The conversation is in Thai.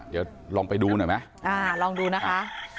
เดี๋ยวลองไปดูหน่อยไหมลองดูนะคะ